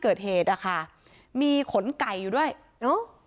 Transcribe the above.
ไปโบกรถจักรยานยนต์ของชาวอายุขวบกว่าเองนะคะ